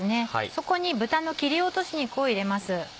そこに豚の切り落とし肉を入れます。